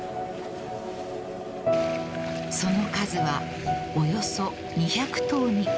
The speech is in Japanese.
［その数はおよそ２００頭に及びます］